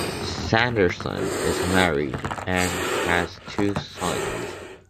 Sanderson is married and has two sons.